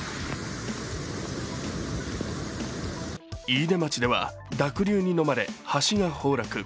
飯豊町では濁流にのまれ橋が崩落。